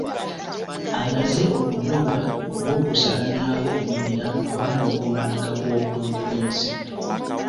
Alaze okunyolwa olw’okusaanyaawo ebibira awamu n’okwonooneka kw’obutonde bw’ensi .